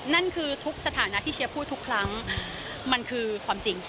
นั่นคือทุกสถานะที่เชียร์พูดทุกครั้งมันคือความจริง